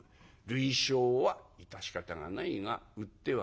類焼は致し方がないが売ってはならんぞ」。